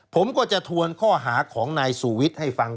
ผมก็จะทวนข้อหาของนายสูวิทย์ให้ฟัง